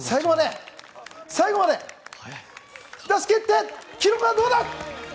最後まで、出し切って記録はどうだ！